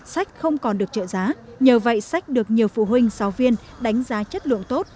sách không còn được trợ giá nhờ vậy sách được nhiều phụ huynh giáo viên đánh giá chất lượng tốt